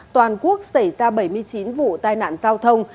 toàn quốc xảy ra bảy mươi chín vụ tai nạn giao thông